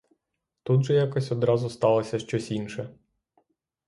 Тут же якось одразу сталося щось інше.